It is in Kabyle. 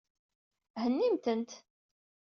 Hennimt-tent.